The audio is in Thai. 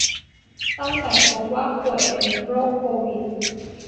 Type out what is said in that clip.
ตั้งแต่พบว่าป่วยเป็นโรคโควิด